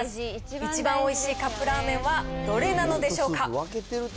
一番おいしいカップラーメンはどれなのでしょうか。